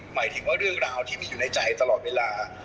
หมายถึงว่าเรื่องราวที่มีอยู่ในใจตลอดเวลา